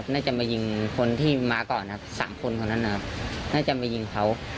น่าจะมายิงคนที่มาก่อนครับ๓คนของนั้นน่าจะมายิงเขา